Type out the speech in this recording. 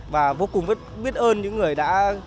và vô cùng biết ơn những người đã